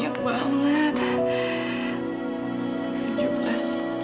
jumlahnya banyak banget